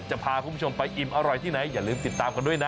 จะพาคุณผู้ชมไปอิ่มอร่อยที่ไหนอย่าลืมติดตามกันด้วยนะ